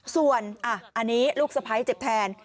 ส่วนอันนี้ลูกสะพ้ายเจ็บแทน